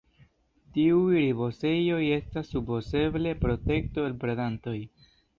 Tiuj ripozejoj estas supozeble protekto el predantoj.